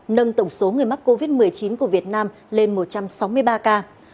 nâng tổng số người mắc covid một mươi chín của việt nam lên một trăm sáu mươi ba ca